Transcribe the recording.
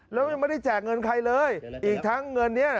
แล้วยังไม่ได้แจกเงินใครเลยอีกทั้งเงินนี้